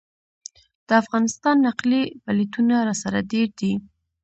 د افغانستان نقلي پلېټونه راسره ډېر دي.